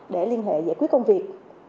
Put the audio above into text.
để liên hệ giải quyết công việc